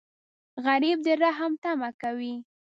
غریب د رحم تمه کوي